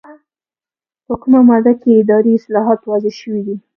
په کومه ماده کې اداري اصلاحات واضح شوي دي؟